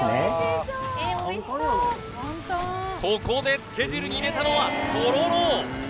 ここでつけ汁に入れたのはとろろ